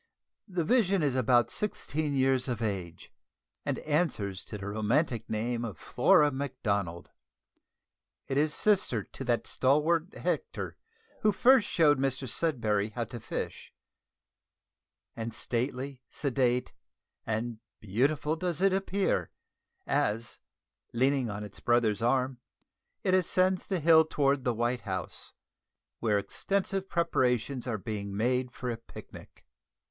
The vision is about sixteen years of age, and answers to the romantic name of Flora Macdonald. It is sister to that stalwart Hector who first showed Mr Sudberry how to fish; and stately, sedate, and beautiful does it appear, as, leaning on its brother's arm, it ascends the hill towards the White House, where extensive preparations are being made for a picnic.